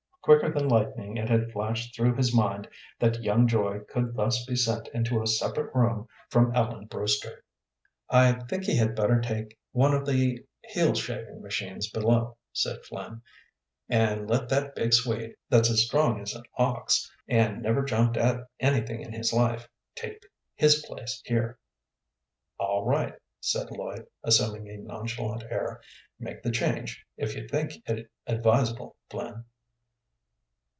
Quicker than lightning it had flashed through his mind that young Joy could thus be sent into a separate room from Ellen Brewster. "I think he had better take one of the heel shaving machines below," said Flynn, "and let that big Swede, that's as strong as an ox, and never jumped at anything in his life, take his place here." "All right," said Lloyd, assuming a nonchalant air. "Make the change if you think it advisable, Flynn."